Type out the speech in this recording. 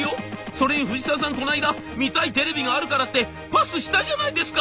それに藤沢さんこないだ見たいテレビがあるからってパスしたじゃないですか」。